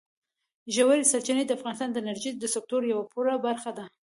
ژورې سرچینې د افغانستان د انرژۍ د سکتور یوه پوره برخه ده.